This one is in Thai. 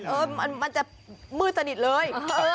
เออมันจะมืดสนิทเลย